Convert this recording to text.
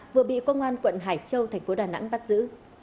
vừa bị công an quận hải châu thành phố đà nẵng bắt giữ